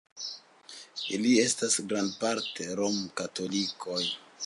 Ili estas grandparte rom-katolikoj.